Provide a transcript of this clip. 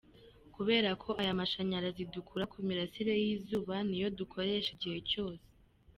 Kubera ko aya mashanyarazi dukura ku mirasire y’izuba, ni yo dukoresha igihe cyose.